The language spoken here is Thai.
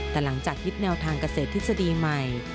แต่หลังจากยึดแนวทางเกษตรทฤษฎีใหม่